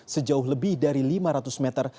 sejauh lebih dari lima ratus meter